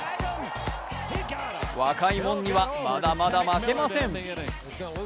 若いもんには、まだまだ負けません。